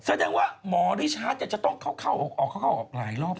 แสดงว่าหมอริชาร์จจะต้องเข้าออกเข้าออกหลายรอบ